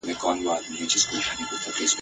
د خان زوی وسو په کلي کي ښادي سوه !.